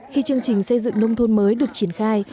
khi chương trình xây dựng nông thôn mới được triển khai